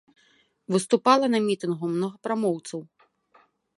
Выступала на мітынгу многа прамоўцаў.